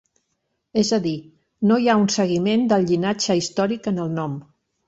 És a dir, no hi ha un seguiment del llinatge històric en el nom.